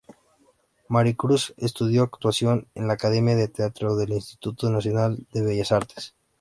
Maricruz estudió actuación en la Academia de Teatro del Instituto Nacional de Bellas Artes.